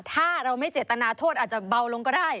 ถ้าเราไม่เจตนาโทษอาจจะเบาลงก็ได้